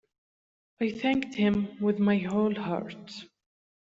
I thanked him with my whole heart.